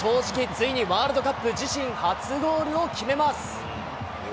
ついにワールドカップ、自身初ゴールを決めます。